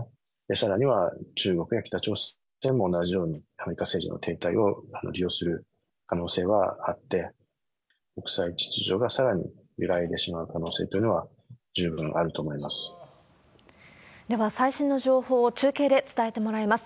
さらには、中国や北朝鮮も同じようにアメリカ政治の停滞を利用する可能性はあって、国際秩序がさらに揺らいでしまう可能性というのは、十分あると思では、最新の情報を中継で伝えてもらいます。